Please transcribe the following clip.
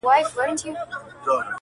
نه حیا له رقیبانو نه سیالانو!